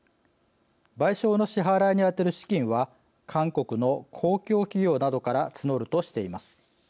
賠償の支払いに充てる資金は韓国の公共企業などから募るとしています。